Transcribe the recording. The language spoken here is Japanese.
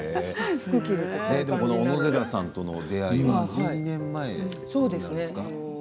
小野寺さんとの出会いは１２年前なんですね。